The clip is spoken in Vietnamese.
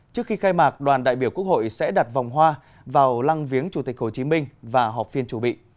trước khi khai mạc đoàn đại biểu quốc hội sẽ đặt vòng hoa vào lăng viếng chủ tịch hồ chí minh và họp phiên chủ bị